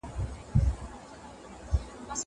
زه کولای سم پاکوالي وساتم.